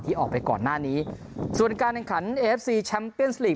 ที่ออกไปก่อนหน้านี้ส่วนการในขันเอฟซีแชมเปียนสลีง